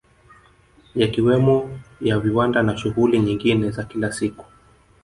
Yakiwemo ya viwanda na shughuli nyingine za kila siku